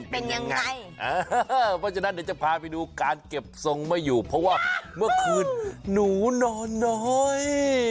เป็นยังไงเออเพราะฉะนั้นเดี๋ยวจะพาไปดูการเก็บทรงไม่อยู่เพราะว่าเมื่อคืนหนูนอนน้อย